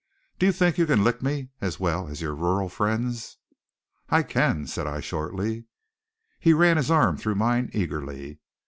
Do you think you can lick me as well as your rural friends?" "I can," said I shortly. He ran his arm through mine eagerly.